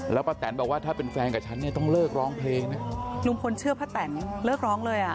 แล้วป้าแตนบอกว่าถ้าเป็นแฟนกับฉันเนี่ยต้องเลิกร้องเพลงนะลุงพลเชื่อป้าแตนเลิกร้องเลยอ่ะ